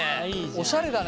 おしゃれだね。